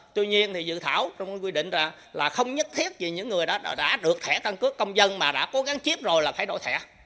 tuy nhiên thì dự thảo trong quy định là không nhất thiết vì những người đã được thẻ căn cước công dân mà đã cố gắng chip rồi là phải đổi thẻ